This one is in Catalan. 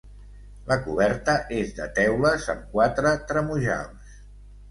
La coberta és de teules amb quatre tremujals.